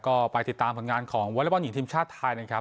ก็ไปติดตามผลงานของวอเล็กบอลหญิงทีมชาติไทยนะครับ